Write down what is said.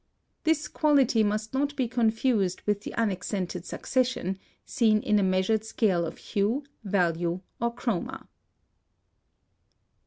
This quality must not be confused with the unaccented succession, seen in a measured scale of hue, value, or chroma.